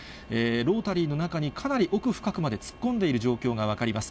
ロータリーの中にかなり奥深くまで突っ込んでいる状況が分かります。